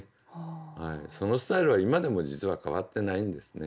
そのスタイルは今でも実は変わってないんですね。